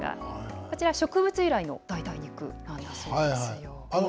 こちら、植物由来の代替肉なんだそうですよ。